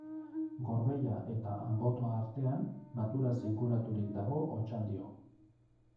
Gorbeia eta Anboto artean, naturaz inguraturik dago Otxandio.